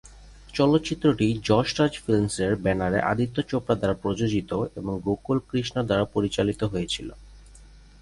চলচ্চিত্রটি যশ রাজ ফিল্মসের ব্যানারে আদিত্য চোপড়া দ্বারা প্রযোজিত এবং গোকুল কৃষ্ণ দ্বারা পরিচালিত হয়েছিলো।